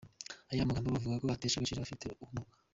Aya magambo bavuga ko atesha agaciro abafite ubumuga.